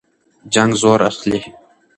جنګ زور اخلي.